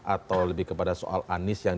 atau lebih kepada soal anies yang